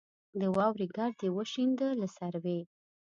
د واورې ګرد یې وشینده له سروې